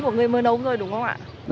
của người mân âu rồi đúng không ạ